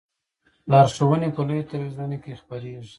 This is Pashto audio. لارښوونې په لویو تلویزیونونو کې خپریږي.